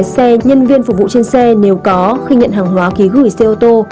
xe nhân viên phục vụ trên xe nếu có khi nhận hàng hóa ký gửi xe ô tô